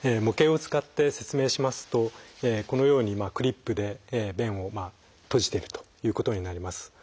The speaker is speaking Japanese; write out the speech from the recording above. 模型を使って説明しますとこのようにクリップで弁を閉じてるということになります。